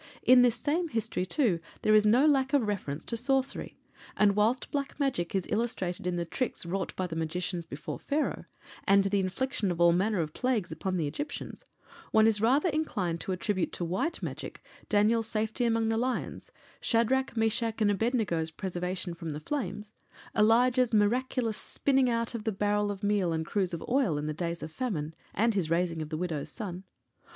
In this same history, too, there is no lack of reference to sorcery; and whilst Black Magic is illustrated in the tricks wrought by the magicians before Pharaoh, and the infliction of all manner of plagues upon the Egyptians, one is rather inclined to attribute to White Magic Daniel's safety among the lions; Shadrach, Meshach, and Abed nego's preservation from the flames; Elijah's miraculous spinning out of the barrel of meal and cruse of oil, in the days of famine, and his raising of the widow's son.